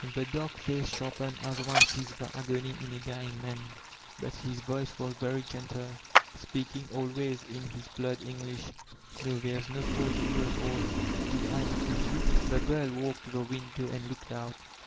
The dark face sharpened as one sees the agony in a dying man, but his voice was very gentle, speaking al wa]r8 in his blurred English : ''No, there is no fault in you at all Did I accuse you?" The girl walked to the window and looked out.